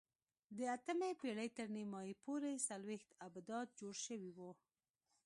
د اتمې پېړۍ تر نیمايي پورې څلوېښت ابدات جوړ شوي وو.